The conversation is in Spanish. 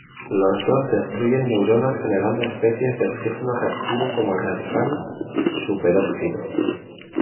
Los dos destruyen neuronas generando especies de oxígeno reactivo, como el radical superóxido.